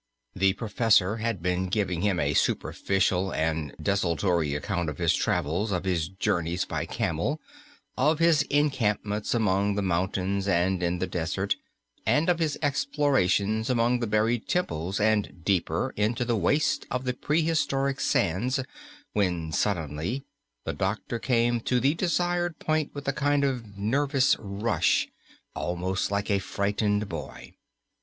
The professor had been giving him a superficial and desultory account of his travels, of his journeys by camel, of his encampments among the mountains and in the desert, and of his explorations among the buried temples, and, deeper, into the waste of the pre historic sands, when suddenly the doctor came to the desired point with a kind of nervous rush, almost like a frightened boy.